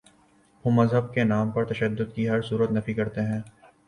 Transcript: وہ مذہب کے نام پر تشدد کی ہر صورت نفی کرتے ہیں۔